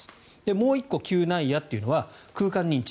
もう１個、嗅内野というのは空間認知。